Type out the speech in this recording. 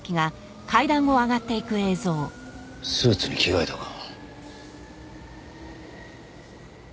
スーツに着替えたか。